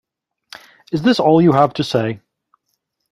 Is this all you have to say?